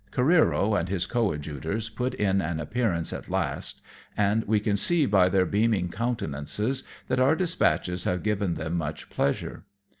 Careero and his coadjutors put in an appearance at last, and we can see by their beaming countenances that our dispatches have given them much pleasure.